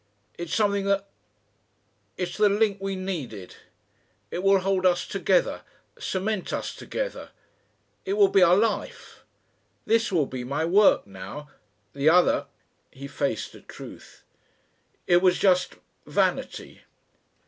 It's something that ... It's the link we needed. It will hold us together, cement us together. It will be our life. This will be my work now. The other ..." He faced a truth. "It was just ... vanity!"